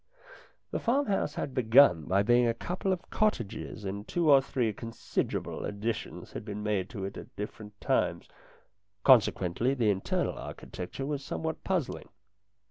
The farmhouse had begun by being a couple of cottages and two or three considerable additions had been made to it at different times ; consequently, the internal architecture was somewhat puzzling.